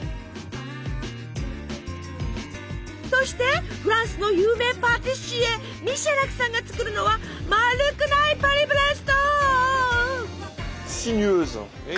そしてフランスの有名パティシエミシャラクさんが作るのはまるくないパリブレスト！